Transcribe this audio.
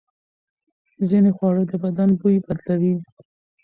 ځینې خواړه د بدن بوی بدلوي.